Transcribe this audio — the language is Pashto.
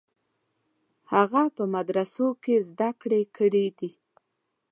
هغه په مدرسو کې زده کړې کړې دي.